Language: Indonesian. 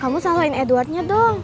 kamu salahin edwardnya dong